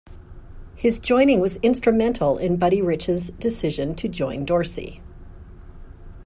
His joining was instrumental in Buddy Rich's decision to join Dorsey.